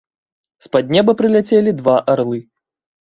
З-пад неба прыляцелі два арлы.